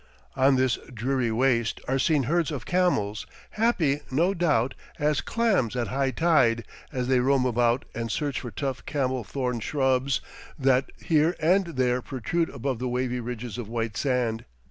On this dreary waste are seen herds of camels, happy, no doubt, as clams at high tide, as they roam about and search for tough camel thorn shrubs, that here and there protrude above the wavy ridges of white sand.